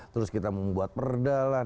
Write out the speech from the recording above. terus kita membuat perda lah